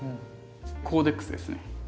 コーデックスですね。